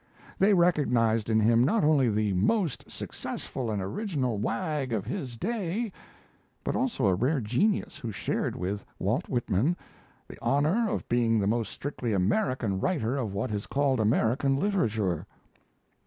They recognized in him not only "the most successful and original wag of his day," but also a rare genius who shared with Walt Whitman "the honour of being the most strictly American writer of what is called American literature."